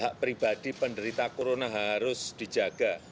hak pribadi penderita corona harus dijaga